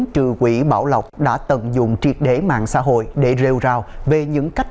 trừ quỷ bảo lộc đã tận dụng triệt đế mạng xã hội để rêu rào về những cách